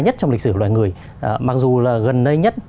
nhất trong lịch sử của loài người mặc dù là gần nơi nhất